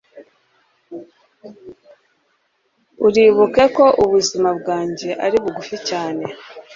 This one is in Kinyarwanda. uribuke ko ubuzima bwanjye ari bugufi cyane